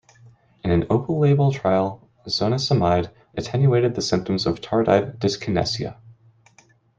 In an open-label trial zonisamide attenuated the symptoms of tardive dyskinesia.